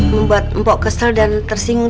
membuat mpok kesel dan tersinggung